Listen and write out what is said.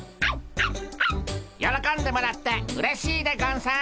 よろこんでもらってうれしいでゴンス。